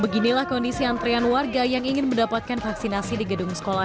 beginilah kondisi antrean warga yang ingin mendapatkan vaksinasi di gedung sekolah